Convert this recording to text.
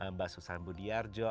mbak susanne budiarjo